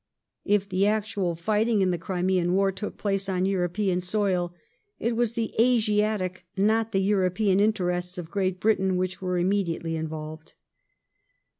If the actual fight ing in the Crimean war took place on European soil, it was the Asiatic, not the European, interests of Great Britain which were immediately involved.